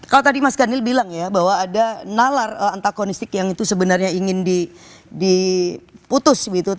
kalau tadi mas kanil bilang ya bahwa ada nalar antagonistik yang itu sebenarnya ingin diputus